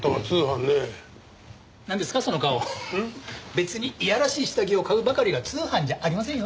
別にいやらしい下着を買うばかりが通販じゃありませんよ。